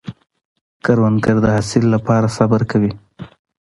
کروندګر د حاصل له پاره صبر کوي